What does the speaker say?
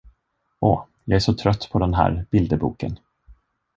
Åh, jag är så trött på den här bilderboken.